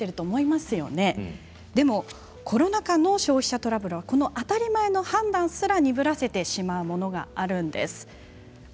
でもコロナ禍の消費者トラブルでは当たり前の判断すら鈍らせてしまうものがあるんです。